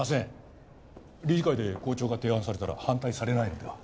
理事会で校長が提案されたら反対されないのでは？